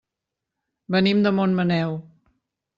Venim de Montmaneu.